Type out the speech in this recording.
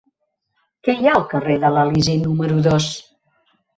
Què hi ha al carrer de l'Elisi número dos?